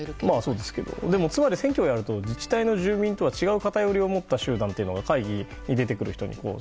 つまり選挙をやると自治体の住民と違う偏りを持った人が会議に出てくる人として